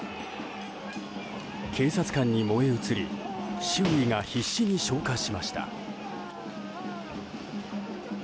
警察官に燃え移り周囲が必死に消火しました。